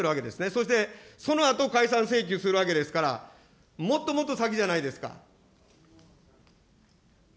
そして、そのあと解散請求するわけですから、もっともっと先じゃないですか。